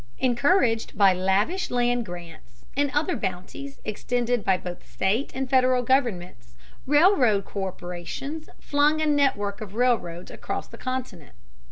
Encouraged by lavish land grants and other bounties extended by both state and Federal governments, railroad corporations flung a network of railroads across the continent.